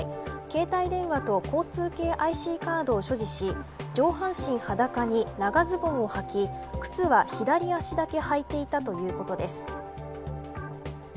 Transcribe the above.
携帯電話と交通系ＩＣカードを所持し上半身裸に長ズボンをはき靴は左足だけ履いていたということです。